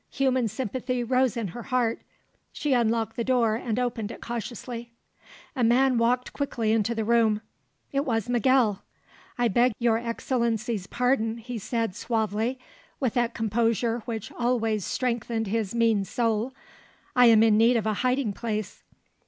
Human sympathy rose in her heart; she unlocked the door and opened it cautiously. A man walked quickly into the room: it was Miguel. "I beg Your Excellency's pardon," he said suavely, with that composure which always strengthened his mean soul; "I am in need of a hiding place."